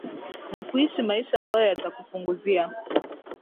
na kuishi maisha ambayo yatakupunguzia